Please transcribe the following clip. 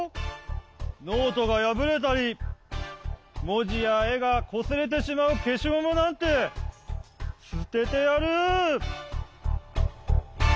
ノートがやぶれたりもじやえがこすれてしまうけしゴムなんてすててやる！